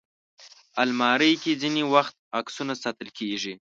الماري کې ځینې وخت عکسونه ساتل کېږي